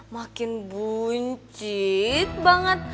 makin buncit banget